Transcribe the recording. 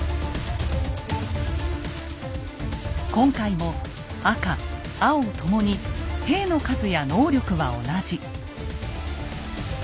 今回も赤・青共に兵の数や能力は同じ。